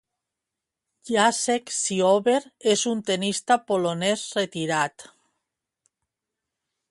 Jacek Ziober és un tenista polonès retirat.